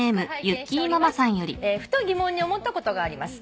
「ふと疑問に思ったことがあります」